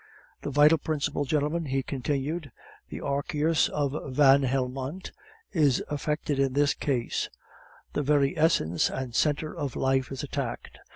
"The vital principle, gentlemen," he continued, "the Archeus of Van Helmont, is affected in his case the very essence and centre of life is attacked.